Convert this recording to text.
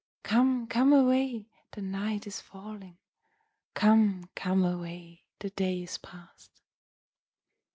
Come, come away, the night is falling; 'Come, come away, the day is past.'